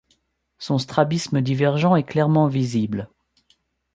Son strabisme divergent est clairement visible.